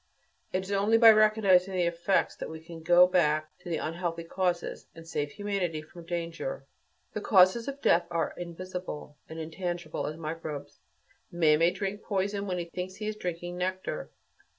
It is only by recognizing the effects that we can go back to the unhealthy causes, and save humanity from danger. The causes of death are as invisible and intangible as microbes; man may drink poison when he thinks he is drinking nectar.